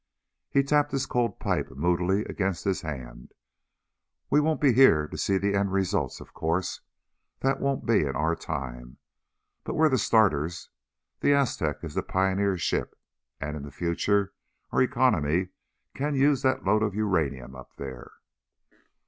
He tapped his cold pipe moodily against his hand. "We won't be here to see the end results, of course. That won't be in our time. But we're the starters. The Aztec is the pioneer ship. And in the future our economy can use that load of uranium up there."